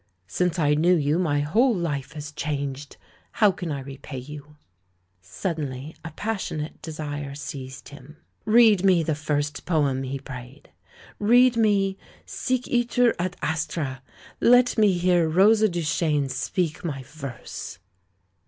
Since I knew you my whole life has changed. How can I repay you?" Suddenly a passionate desire seized him. "Read me the first poem," he prayed. "Read me Sic Itur ad Astra; let me hear Rosa Duchene speak my verse!"